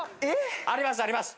ありますあります。